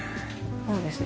そうですね。